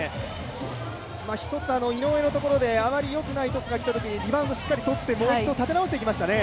一つ井上のところで、あまりよくないトスが来たときにリバウンドをしっかり取ってもう一度立て直してきましたね。